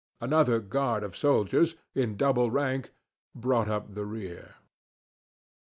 Another guard of soldiers, in double rank, brought up the rear.